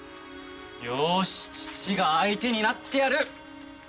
よし父が相手になってやる！